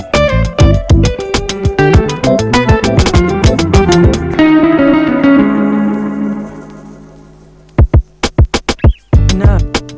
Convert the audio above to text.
harus rame rage ya